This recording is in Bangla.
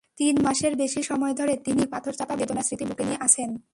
তিন মাসের বেশি সময় ধরে তিনি পাথরচাপা বেদনার স্মৃতি বুকে নিয়ে আছেন।